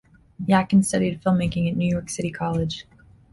Yakin studied filmmaking at New York's City College.